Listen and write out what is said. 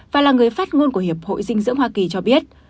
và là người phát ngôn của hiệp hội dinh dưỡng hoa kỳ cho biết